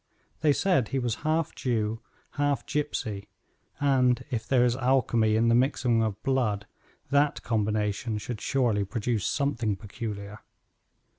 They said he was half Jew, half gypsy, and, if there is alchemy in the mixing of blood, that combination should surely produce something peculiar.